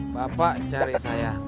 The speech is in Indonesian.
bapak cari saya